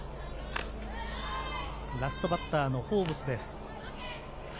ラストバッターのフォーブスです。